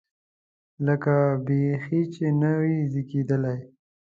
لکه بیخي چې نه وي زېږېدلی.